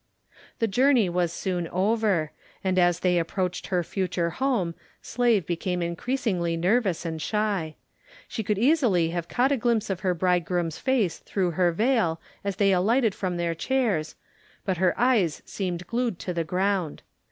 The journey was soon over, and as they approached her future home Slave became increasingly nervous and shy. She could easily have caught a glimpse of her bridegroom's face through her veil as they alighted from their chairs, but her eyes seemed glued to the ground.